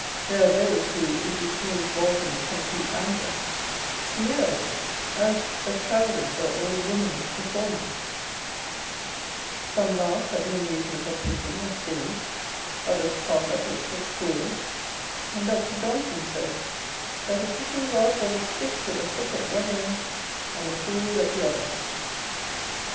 There are those who, if you praise Walton's Complete Angler, sneer at it as a childish or old womanish performance : some laugh at the amusement of fishing as silly, others carp at it as cruel ; and Dr. Johnson said that " a fishing rod was a, stick with a hook at one end, and a fool at the other."